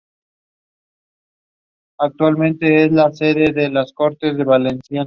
Juega de arquero en el Newcastle United Jets.